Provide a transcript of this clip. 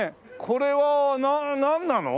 これはなんなの？